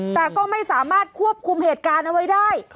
แต่ก็ไม่สามารถควบคุมเหตุการณ์เอาไว้ได้